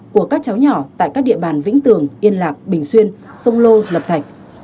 của các cháu nhỏ tại các địa bàn vĩnh tường yên lạc bình xuyên sông lô lập thạch